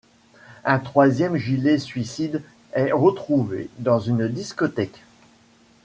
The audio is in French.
Un troisième gilet-suicide est retrouvé dans une discothèque.